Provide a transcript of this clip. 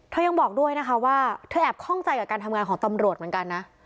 ยังบอกด้วยนะคะว่าเธอแอบคล่องใจกับการทำงานของตำรวจเหมือนกันนะ